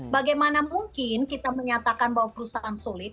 bagaimana mungkin kita menyatakan bahwa perusahaan sulit